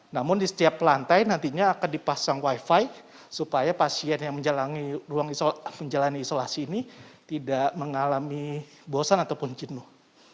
namun di setiap lantai nantinya akan dipasang wifi supaya pasien yang menjalani isolasi ini tidak mengalami bosan ataupun jenuh